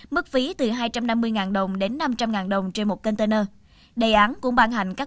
mức phí từ hai trăm năm mươi đồng đến năm trăm linh đồng trên một container